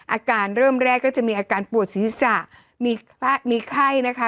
อาการเริ่มแรกก็จะมีอาการปวดศีรษะมีไข้นะคะ